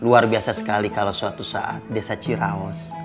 luar biasa sekali kalau suatu saat desa ciraos